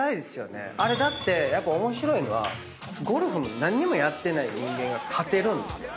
あれだってやっぱ面白いのはゴルフも何にもやってない人間が勝てるんですよ。